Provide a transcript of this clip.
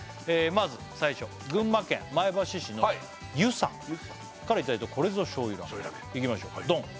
まず最初群馬県前橋市のゆさんからいただいたこれぞ醤油ラーメンいきましょうドン！